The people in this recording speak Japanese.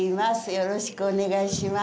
よろしくお願いします。